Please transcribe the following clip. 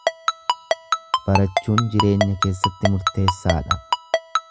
Barachuun jireenya keessatti murteessa dha.